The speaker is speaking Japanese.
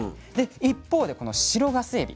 一方でこの白ガスエビ